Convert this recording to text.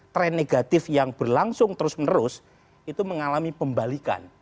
tren negatif yang berlangsung terus menerus itu mengalami pembalikan